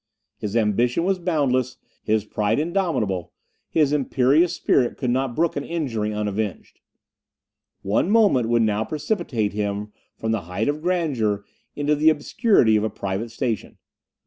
His ambition was boundless, his pride indomitable, his imperious spirit could not brook an injury unavenged. One moment would now precipitate him from the height of grandeur into the obscurity of a private station.